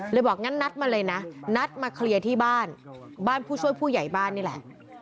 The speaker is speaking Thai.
บอกงั้นนัดมาเลยนะนัดมาเคลียร์ที่บ้านบ้านผู้ช่วยผู้ใหญ่บ้านนี่แหละ